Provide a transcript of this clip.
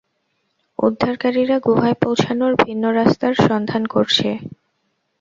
উদ্ধারকারীরা গুহায় পৌঁছানোর ভিন্ন রাস্তার সন্ধান করছে।